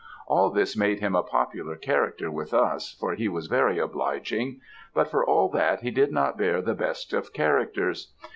All this made him a popular character with us, for he was very obliging; but for all that, he did not bear the best of characters.